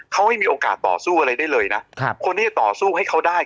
เขาไม่มีโอกาสต่อสู้อะไรได้เลยนะครับคนที่จะต่อสู้ให้เขาได้